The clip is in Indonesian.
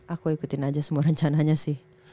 aku ikutin aja semua rencananya sih